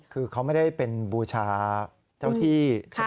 คือเขาไม่ได้เป็นบูชาเจ้าที่